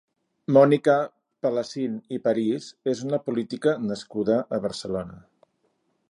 Mònica Palacín i París és una política nascuda a Barcelona.